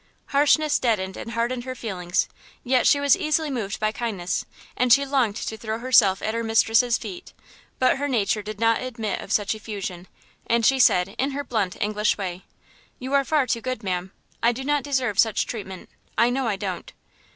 Harshness deadened and hardened her feelings, yet she was easily moved by kindness, and she longed to throw herself at her mistress's feet; but her nature did not admit of such effusion, and she said, in her blunt English way "You are far too good, ma'am; I do not deserve such treatment I know I don't."